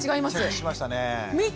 密着しましたね！